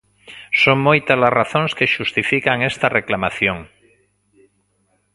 Son moitas as razóns que xustifican esta reclamación.